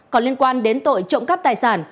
còn liên quan đến tội trộm cắp tài sản